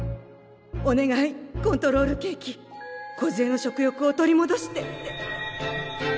お願いコントロールケーキこずえの食欲を取りもどして。